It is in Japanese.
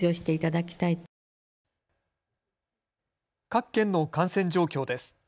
各県の感染状況です。